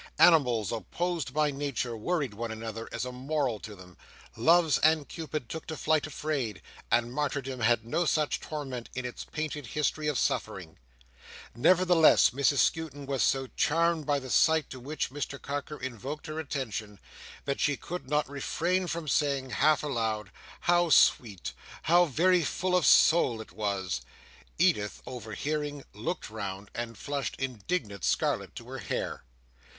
Animals, opposed by nature, worried one another, as a moral to them. Loves and Cupids took to flight afraid, and Martyrdom had no such torment in its painted history of suffering. Nevertheless, Mrs Skewton was so charmed by the sight to which Mr Carker invoked her attention, that she could not refrain from saying, half aloud, how sweet, how very full of soul it was! Edith, overhearing, looked round, and flushed indignant scarlet to her hair.